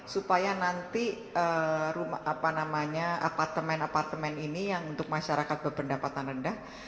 supaya nanti apartemen apartemen ini yang untuk masyarakat berpendapatan rendah